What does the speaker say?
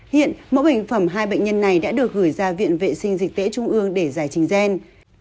hiện mẫu bệnh phẩm hai bệnh nhân này đã được gửi ra viện vệ sinh dịch tễ trung ương để giải trình gen